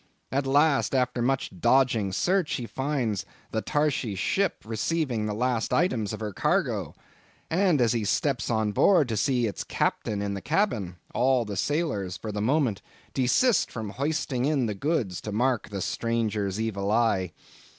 At last, after much dodging search, he finds the Tarshish ship receiving the last items of her cargo; and as he steps on board to see its Captain in the cabin, all the sailors for the moment desist from hoisting in the goods, to mark the stranger's evil eye.